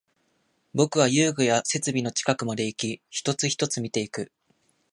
僕は遊具や設備の近くまでいき、一つ、一つ見ていく